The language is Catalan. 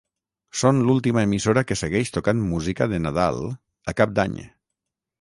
Són l'última emissora que segueix tocant música de Nadal a Cap d'Any.